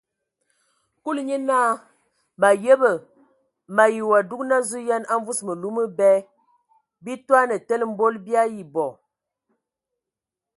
Kulu nye naa : mǝ ayəbǝ! mǝ ayi wa dugan sɔ yen a mvus mǝlu mǝbɛ, bii toane tele mbol bii ayi bɔ.